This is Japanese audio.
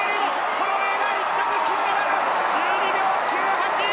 ホロウェイが１着金メダル１２秒９８！